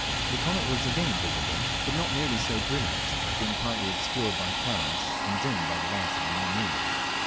The comet was again visible, but not nearly so brilliant, being partly obscured by clouds; and dimmed by the light of the new moon.